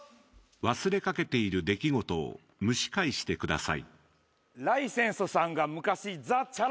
忘れかけている出来事を蒸し返してください。